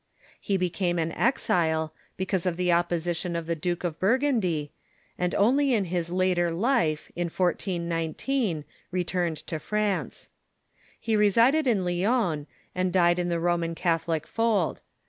He became an exile, because of the op position of the Duke of Burgund}^, and only in his later life, THE HERALDS OF PROTESTANTISM 199 in 1419, returned to France. He resided in Lyons, and died in the Roman Catholic fold.